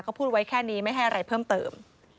เขาพูดไว้แค่นี้ไม่ให้อะไรเพิ่มเติม